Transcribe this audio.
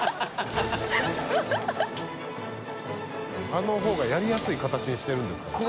あの方がやりやすい形にしてるんですかね？